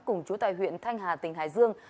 cùng chú tại huyện thanh hà tỉnh hải dương